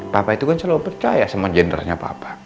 papa itu selalu percaya sama jendernya papa